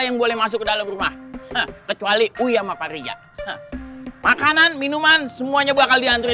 yang boleh masuk ke dalam rumah kecuali uyama parija makanan minuman semuanya bakal diantri